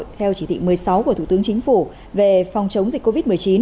theo chỉ thị một mươi sáu của thủ tướng chính phủ về phòng chống dịch covid một mươi chín